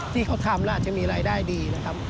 ที่เขาทำแล้วอาจจะมีรายได้ดีนะครับ